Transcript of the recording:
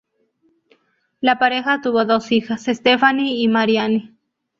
La pareja tuvo dos hijas, Stephanie y Marianne.